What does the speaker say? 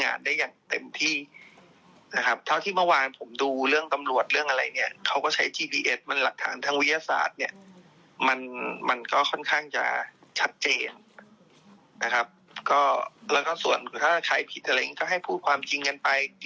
แล้วส่วนถ้าใครผิดอะไรก็ให้พูดความจริงกันไปเรื่องนี้ผมว่าดูแล้วก็มันยังต้องมีคนรับผิดอยู่แล้ว